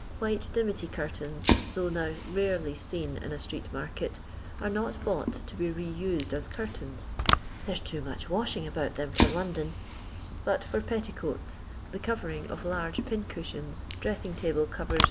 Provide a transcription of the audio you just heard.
White dimity curtains, though now rarely seen in a street market, are not bought to be re used as curtains •—'* there 's too much washing about them for London" — but for petticoats, the covering of large pincushions, dressing table covers, &c.